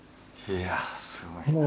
いやあすごいなあ。